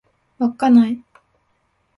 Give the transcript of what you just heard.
稚内